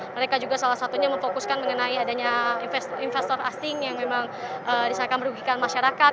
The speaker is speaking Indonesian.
mereka juga salah satunya memfokuskan mengenai adanya investor asing yang memang disanakan merugikan masyarakat